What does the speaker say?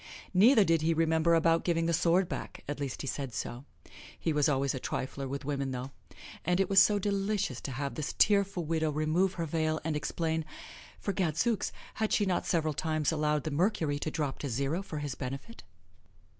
Neither did he remember about giving the sword back at least he said so. He was always a trifler with women, though; and it was so delicious to have this tearful widow remove her veil and explain for gadzooks! had she not several times allowed the mercury to drop to zero for his benefit?